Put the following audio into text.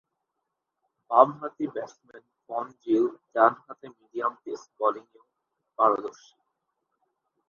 বামহাতি batsman van Zyl ডানহাতে medium pace বোলিংয়েও পারদর্শী।